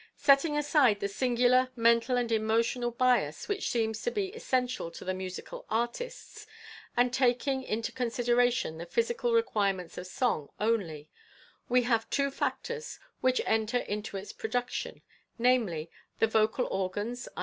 Setting aside the singular mental and emotional bias which seems to be essential to the musical artists, and taking into consideration the physical requirements of song only, we have two factors which enter into its production, namely, the vocal organs — i.